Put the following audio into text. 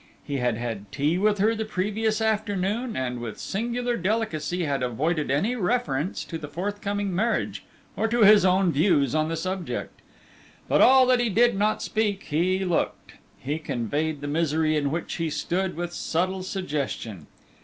He had had tea with her the previous afternoon, and with singular delicacy had avoided any reference to the forthcoming marriage or to his own views on the subject. But all that he did not speak, he looked. He conveyed the misery in which he stood with subtle suggestion.